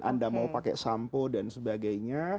anda mau pakai sampo dan sebagainya